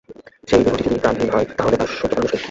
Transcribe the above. সেই দেহটি যদি প্রাণহীন হয়, তাহলে তা সহ্য করা মুশকিল।